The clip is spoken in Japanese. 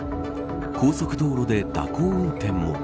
高速道路で蛇行運転も。